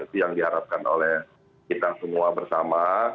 itu yang diharapkan oleh kita semua bersama